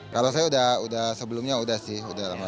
kalau saya udah sebelumnya udah sih udah lama